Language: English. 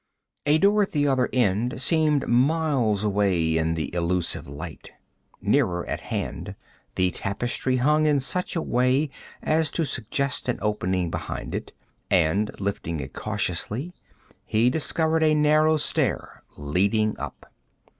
A door at the other end seemed miles away in the illusive light. Nearer at hand the tapestry hung in such a way as to suggest an opening behind it, and lifting it cautiously he discovered a narrow stair leading up.